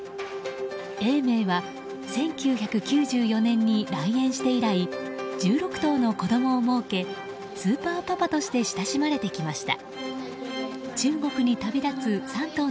永明は１９９４年に来園して以来１６頭の子供をもうけスーパーパパとして親しまれてきました。